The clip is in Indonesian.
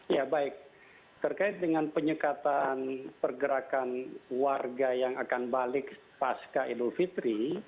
ya baik terkait dengan penyekatan pergerakan warga yang akan balik pas ke edul fitri